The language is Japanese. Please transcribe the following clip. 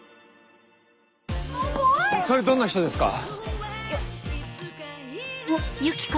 それどんな人ですか⁉あっ。